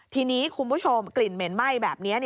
ทีนี้คุณผู้ชมกลิ่นเหม็นไหม้แบบนี้